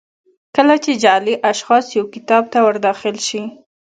کله چې جعلي اشخاص یو کتاب ته ور داخل شي.